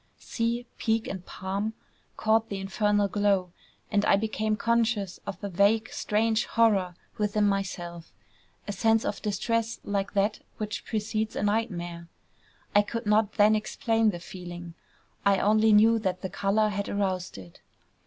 Sea, peak, and palm caught the infernal glow; and I became conscious of a vague strange horror within myself, a sense of distress like that which precedes a nightmare. I could not then explain the feeling; I only knew that the color had aroused it.